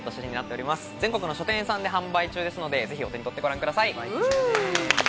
全国の書店さんで販売中ですので、ぜひお手にとってご覧ください。